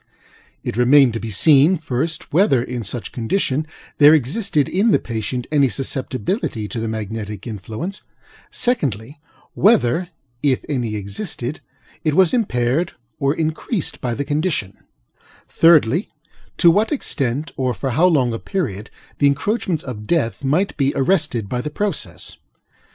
It remained to be seen, first, whether, in such condition, there existed in the patient any susceptibility to the magnetic influence; secondly, whether, if any existed, it was impaired or increased by the condition; thirdly, to what extent, or for how long a period, the encroachments of Death might be arrested by the process.